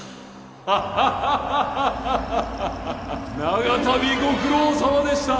長旅ご苦労さまでした。